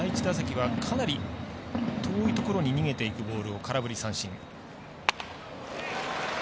第１打席はかなり遠いところに逃げていくボールを空振り三振。